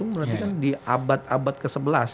berarti kan di abad abad ke sebelas